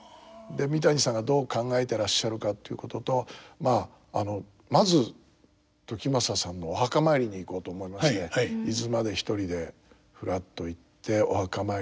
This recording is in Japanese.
三谷さんがどう考えてらっしゃるかということとまず時政さんのお墓参りに行こうと思いまして伊豆まで一人でふらっと行ってお墓参りをさせていただいて。